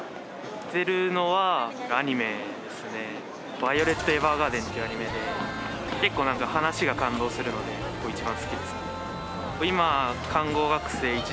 「ヴァイオレット・エヴァーガーデン」っていうアニメで結構何か話が感動するのでこれ一番好きです。